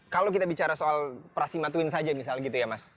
kalau kita bicara soal prasima twin saja misalnya gitu ya mas